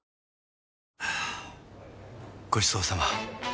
はぁごちそうさま！